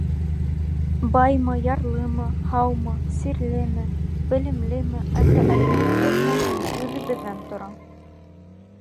Баймы, ярлымы, һаумы, сирлеме, белемлеме әллә әҙерлекһеҙме — үҙебеҙҙән тора.